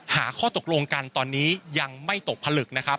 หาข้อตกลงกันตอนนี้ยังไม่ตกผลึกนะครับ